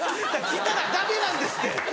来たらダメなんですって！